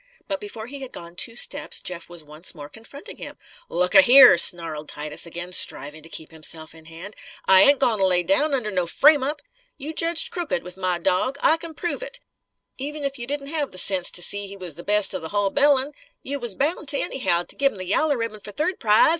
But before he had gone two steps Jeff was once more confronting him. "Look a here!" snarled Titus, again, striving to keep himself in hand, "I ain't goin' to lay down under no frame up! You judged crooked, with my dawg. I c'n prove it. Even if you didn't have the sense to see he was the best of the hull bilin', you was bound, anyhow, to give him the yaller ribbon fer third prize.